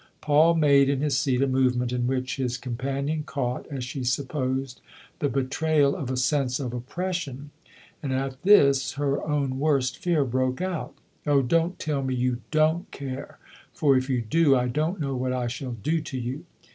Paul made, in his seat, a movement in which his companion caught, as she supposed, the betrayal of a sense of oppression ; and at this her own worst fear broke out. "Oh, don't tell. me you dorit care for if you do I don't know what I shall do to you